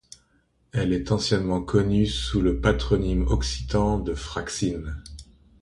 Elle est anciennement connue sous le patronyme occitan de Fraxines.